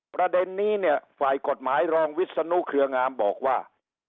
ประเด็นนี้เนี่ยฝ่ายกฎหมายรองวิศนุเครืองามบอกว่า